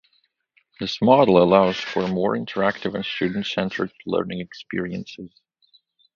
This model allows for more interactive and student-centered learning experiences.